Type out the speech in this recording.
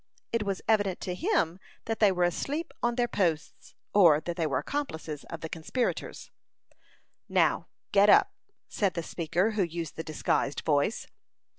It was evident to him that they were asleep on their posts, or that they were accomplices of the conspirators. "Now, get up," said the speaker, who used the disguised voice.